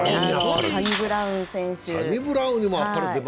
サニブラウン選手。